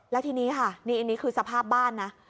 แล้วทีนี้ค่ะนี่อันนี้คือสภาพบ้านนะ